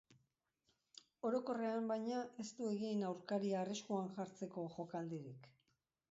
Orokorrean, baina, ez du egin aurkaria arriskuan jartzeko jokaldirik.